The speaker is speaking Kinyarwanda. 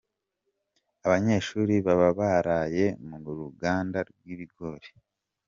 Abanyeshuri baba bararaye mu ruganda rw’ibigori?.